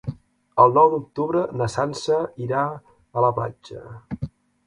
El nou d'octubre na Sança irà a la platja.